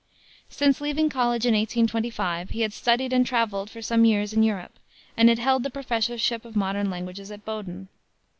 Since leaving college, in 1825, he had studied and traveled for some years in Europe, and had held the professorship of modern languages at Bowdoin.